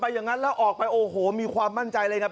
อย่างนั้นเราออกไปโอ้โหมีความมั่นใจอะไรอย่างนี้